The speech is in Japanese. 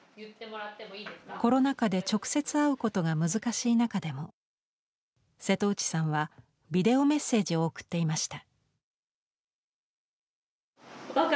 コロナ禍で直接会うことが難しい中でも瀬戸内さんはビデオメッセージを送っていました。